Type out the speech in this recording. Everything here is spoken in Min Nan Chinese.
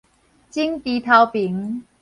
腫豬頭爿